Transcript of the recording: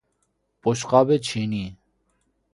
بشقاب چینی